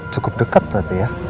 cukup dekat tadi ya